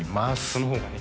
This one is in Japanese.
その方がね